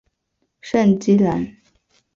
圣基兰。